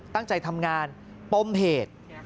ตั้งใจทำงานป้มเหตุ